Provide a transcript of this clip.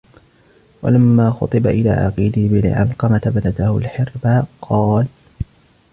وَلَمَّا خُطِبَ إلَى عَقِيلِ بْنِ عَلْقَمَةَ ابْنَتُهُ الْحِرْبَاءُ قَالَ